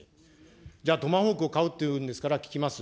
じゃあ、トマホークを買うっていうんですから聞きます。